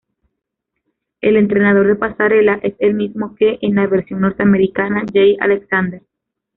El entrenador de pasarela, es el mismo que en la versión norteamericana, Jay Alexander.